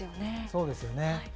そうですよね。